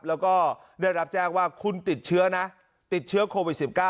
แล้วก็ได้รับแจ้งว่าคุณติดเชื้อนะติดเชื้อโควิด๑๙